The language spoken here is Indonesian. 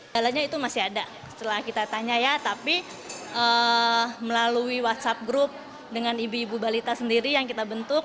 jalannya itu masih ada setelah kita tanya ya tapi melalui whatsapp group dengan ibu ibu balita sendiri yang kita bentuk